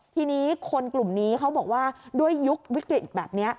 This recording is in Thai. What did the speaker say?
ทีนี้คนกลุ่มนี้เขาบอกว่าด้วยยุควิกฤตแบบนี้